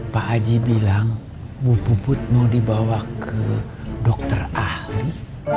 pak haji bilang bu puput mau dibawa ke dokter ahli